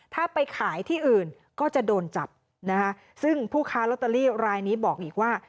ถ้าไปขายที่อื่นก็จะโดนจับนะคะซึ่งผู้ค้าลอตเตอรี่รายนี้บอกอีกว่า